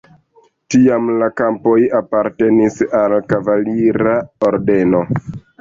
Tiam la kampoj apartenis al kavalira ordeno.